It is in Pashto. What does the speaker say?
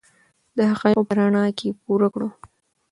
د حقایقو په رڼا کې یې پوره کړو.